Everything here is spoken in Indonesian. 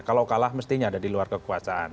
kalau kalah mestinya ada di luar kekuasaan